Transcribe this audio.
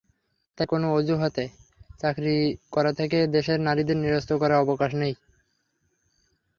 তাই কোনো অজুহাতে চাকরি করা থেকে দেশের নারীদের নিরস্ত করার অবকাশ নেই।